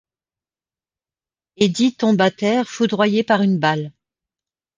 Eddie tombe à terre, foudroyé par une balle.